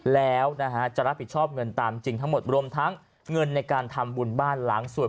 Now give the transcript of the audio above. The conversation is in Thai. แล้วนะฮะจะรับผิดชอบเงินตามจริงทั้งหมดรวมทั้งเงินในการทำบุญบ้านหลังสวด